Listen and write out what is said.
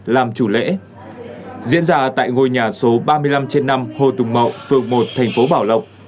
làm chủ lễ diễn ra tại ngôi nhà số ba mươi năm trên năm hồ tùng mậu phường một thành phố bảo lộc